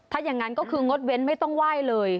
ถ้าอย่างนั้นก็คืองดเว้นไม่ต้องไหว้เลย